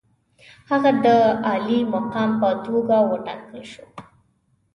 هغه د عالي مقام په توګه وټاکل شو.